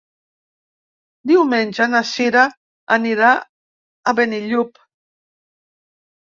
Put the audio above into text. Diumenge na Sira anirà a Benillup.